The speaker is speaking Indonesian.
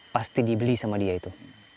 pasti dibeli sama dia itu